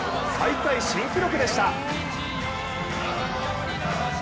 大会新記録でした。